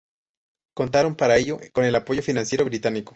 Contaron para ello con el apoyo financiero británico.